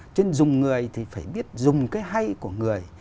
cho nên dùng người thì phải biết dùng cái hay của người